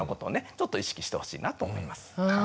ちょっと意識してほしいなと思います。